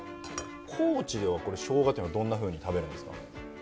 高知ではしょうがっていうのはどんなふうに食べるんですか？